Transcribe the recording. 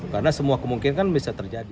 karena semua kemungkinan bisa terjadi